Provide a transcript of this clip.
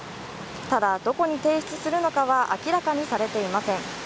ただ、どこに提出するのかは明らかにされていません。